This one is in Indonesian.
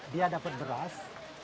dia dapat beras